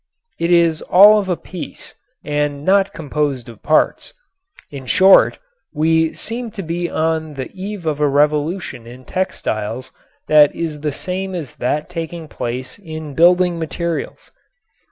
It is all of a piece and not composed of parts. In short, we seem to be on the eve of a revolution in textiles that is the same as that taking place in building materials.